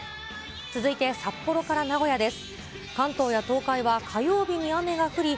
続いて札幌から名古屋です。